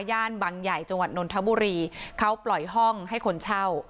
ย่านบางใหญ่จังหวัดนนทบุรีเขาปล่อยห้องให้คนเช่า